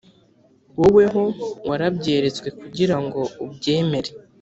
woweho warabyeretswe, kugira ngoubyemere